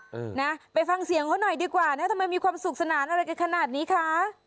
เออนะไปฟังเสียงเขาหน่อยดีกว่านะทำไมมีความสุขสนานอะไรกันขนาดนี้คะ